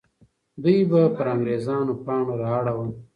دوی به پر انګریزانو پاڼ را اړوه.